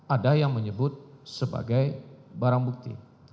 ada yang menyebut sebagai barang bukti